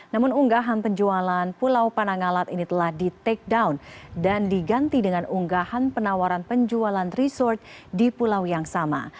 namun unggahan penjualan pulau panangalat ini telah di take down dan diganti dengan unggahan penawaran penjualan resort di pulau yang sama